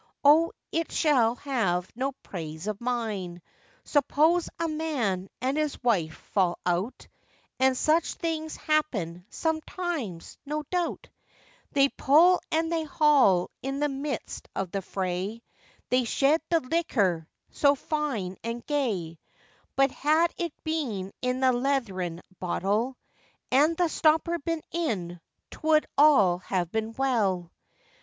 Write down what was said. Oh! it shall have no praise of mine; Suppose a man and his wife fall out,— And such things happen sometimes, no doubt,— They pull and they haul; in the midst of the fray They shed the liquor so fine and gay; But had it been in the leathern bottèl, And the stopper been in, 'twould all have been well!